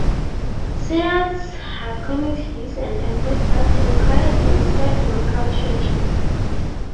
Synods have committees and employ staff to encourage and serve local churches.